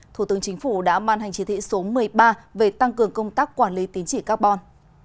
thủ tướng chính phủ đã ban hành chỉ thị số một mươi ba về tăng cường công tác quản lý tín chỉ carbon